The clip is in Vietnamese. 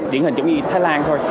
diễn hình giống như thái lan thôi